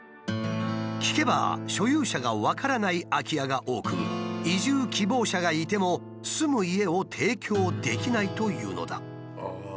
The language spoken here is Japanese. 聞けば所有者が分からない空き家が多く移住希望者がいても住む家を提供できないというのだ。